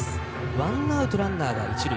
ワンアウトランナーが一塁。